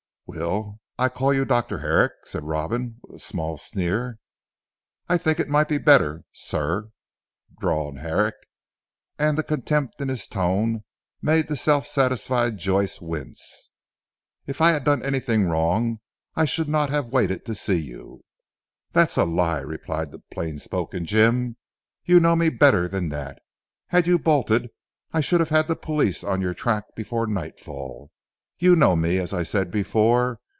"Will, I call you Dr. Herrick," said Robin with a small sneer. "I think it might be better sir," drawled Herrick, and the contempt in his tone made the self satisfied Joyce wince. "If I had done anything wrong I should not have waited to see you." "That's a lie," replied the plain spoken Jim. "You know me better than that. Had you bolted I should have had the police on your track before night fall. You know me, as I said before.